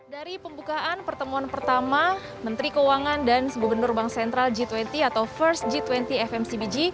dari pembukaan pertemuan pertama menteri keuangan dan gubernur bank sentral g dua puluh atau first g dua puluh fmcbg